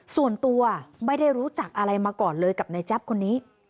ส่วนตัวไม่ได้รู้จักอะไรมาก่อนเลยกับนายแจ๊บคนนี้